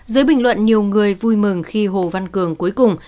dưới bình luận nhiều người vui mừng khi hồ văn cường cuối cùng